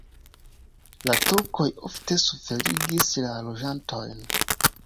La turkoj ofte suferigis la loĝantojn.